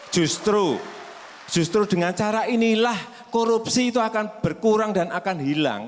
justru justru dengan cara inilah korupsi itu akan berkurang dan akan hilang